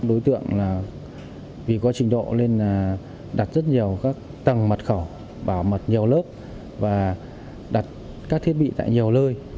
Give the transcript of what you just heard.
đối tượng vì có trình độ nên là đặt rất nhiều các tầng mật khẩu bảo mật nhiều lớp và đặt các thiết bị tại nhiều nơi